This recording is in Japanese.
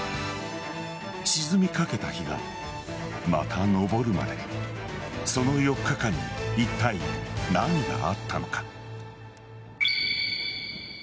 沈みかけた日がまた昇るまでその４日間にいったい何があったのか。